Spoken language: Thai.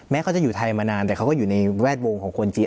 เขาจะอยู่ไทยมานานแต่เขาก็อยู่ในแวดวงของคนจีน